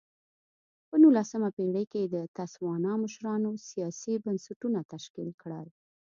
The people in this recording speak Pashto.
په نولسمه پېړۍ کې د تسوانا مشرانو سیاسي بنسټونه تشکیل کړل.